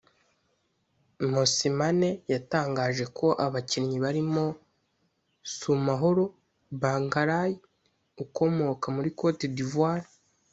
Mosimane yatangaje ko abakinnyi barimo Soumahoro Bangaly ukomoka muri Cote d’Ivoire